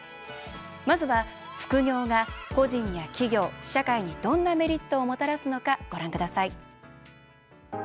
まずは副業が個人や企業、社会にどんなメリットをもたらすのかご覧ください。